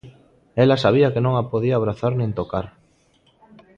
Ela sabía que non a podía abrazar nin tocar.